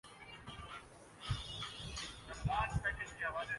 ایک اور احتیاط بھی کر لینی چاہیے۔